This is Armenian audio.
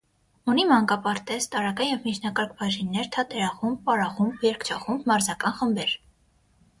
Ունի մանկապարտեզ, տարրական և միջնակարգ բաժիններ, թատերախումբ, պարախումբ, երգչախումբ, մարզական խմբեր։